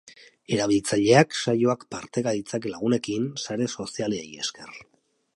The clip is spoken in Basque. Erabiltzaileak saioak parteka ditzake lagunekin, sare sozialari esker.